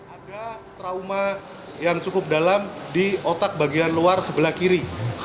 ada trauma yang cukup dalam di otak bagian luar sebelah kiri